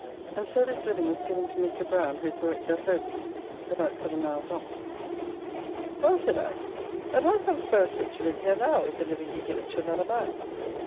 And so this living was given to Mr. Brown, who is the rector of Hobey, about seven miles off." "Well," said I, "but how comes Beresford to live here now, if the living be given to another man?"